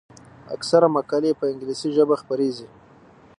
اکثره مقالې په انګلیسي ژبه خپریږي.